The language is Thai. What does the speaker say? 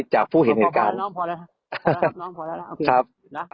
จากผู้เห็นเหตุการณ์น้องพอแล้วน้องพอแล้วครับ